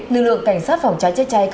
nữ lượng cảnh sát phòng cháy chữa cháy